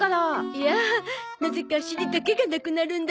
いやなぜかシリだけがなくなるんだゾ。